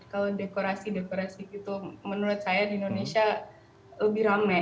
kalau dekorasi dekorasi gitu menurut saya di indonesia lebih rame